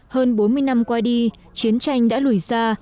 hơn bốn mươi năm qua đi chiến tranh đã lủi ra